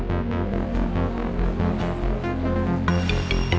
kalau bapak nggak pergi nggak ada